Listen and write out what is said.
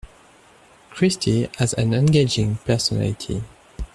Christy has an engaging personality.